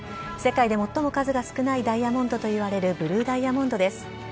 世界で最も数が少ないダイヤモンドといわれるブルーダイヤモンドです。